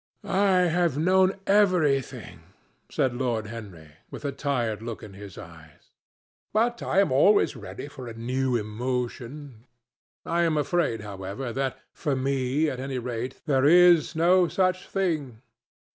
"I have known everything," said Lord Henry, with a tired look in his eyes, "but I am always ready for a new emotion. I am afraid, however, that, for me at any rate, there is no such thing.